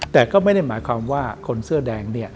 แต่ก็ไม่ได้หมายความว่าคนเสื้อแดง